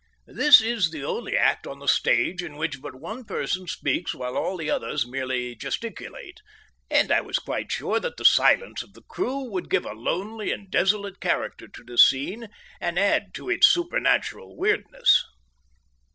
This is the only act on the stage in which but one person speaks while all the others merely gesticulate, and I was quite sure that the silence of the crew would give a lonely and desolate character to the scene and add its to supernatural weirdness.